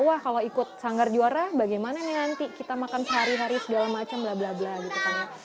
wah kalau ikut sanggar juara bagaimana nanti kita makan sehari hari segala macam blablabla